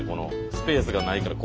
スペースがないから。